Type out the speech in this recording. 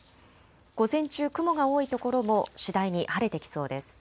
午前中、雲が多い所も次第に晴れてきそうです。